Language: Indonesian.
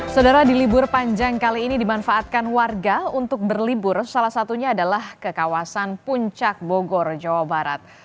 saudara di libur panjang kali ini dimanfaatkan warga untuk berlibur salah satunya adalah ke kawasan puncak bogor jawa barat